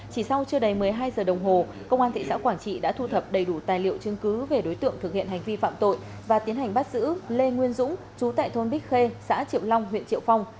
chỉ sau chưa đầy một mươi hai giờ đồng hồ công an thị xã quảng trị đã thu thập đầy đủ tài liệu chứng cứ về đối tượng thực hiện hành vi phạm tội và tiến hành bắt giữ lê nguyên dũng chú tại thôn bích khê xã triệu long huyện triệu phong